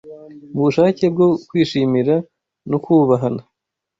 Mubushake bwo kwishimira no kubahana